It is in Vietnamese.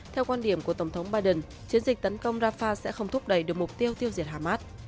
theo quan điểm của tổng thống biden chiến dịch tấn công rafah sẽ không thúc đẩy được mục tiêu tiêu diệt hamas